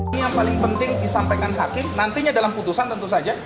ini yang paling penting disampaikan hakim nantinya dalam putusan tentu saja